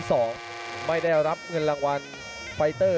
สวัสดิ์นุ่มสตึกชัยโลธสวิทธิ์